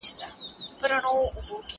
زه پرون مڼې خورم!!